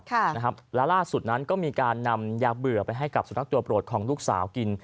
และล่าสุดนั้นก็มีการนำยาเบลือกไปให้กับสนักตัวปรวจของลูกสาวกิน